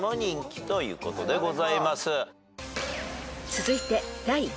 ［続いて］